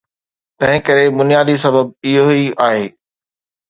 تنهنڪري بنيادي سبب اهو ئي آهي.